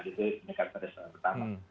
jadi ini kan pertama